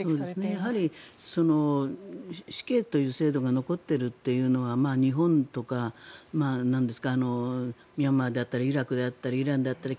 やはり死刑という制度が残っているというのは日本とか、ミャンマーだったりイラクであったりイランだったり